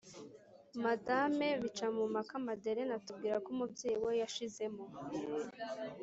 madame bicamumpaka madeleine atubwirako umubyeyi we yashyizemo